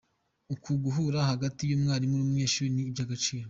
Uku guhura hagati y’umwarimu n’umunyeshuri ni iby’agaciro.